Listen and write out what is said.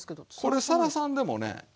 これさらさんでもね